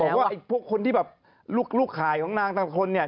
นางบอกว่าไอ้พวกคนที่แบบรูปลูกขายของนางทั้งแค่คนเนี่ย